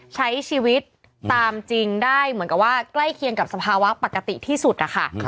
ใช้ชีวิตตามจริงได้เหมือนกับว่าใกล้เคียงกับสภาวะปกติที่สุดนะคะ